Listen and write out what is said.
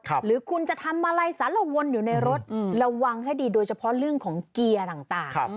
หรือคุณจะทำอะไรสารวนอยู่ในรถระวังให้ดีโดยเฉพาะเรื่องของเกียร์ต่าง